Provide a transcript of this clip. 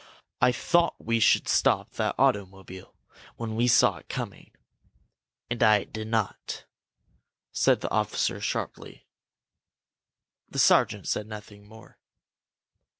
I thought we should stop that automobile when we saw it coming." "And I did not," said the officer, sharply. The sergeant said nothing more.